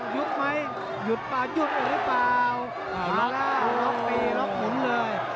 หยุดไหมหยุดป่ะหยุดหรือเปล่าเอาละเอาล็อกปีล็อกหมุนเลย